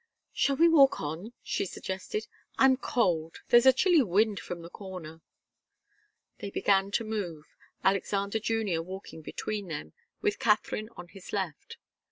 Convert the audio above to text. "Shall we walk on?" she suggested. "I'm cold there's a chilly wind from the corner." They began to move, Alexander Junior walking between them, with Katharine on his left.